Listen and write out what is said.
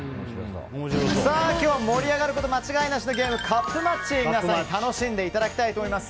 今日は盛り上がること間違いなしのゲームカップマッチ皆さん楽しんでいただきたいと思います。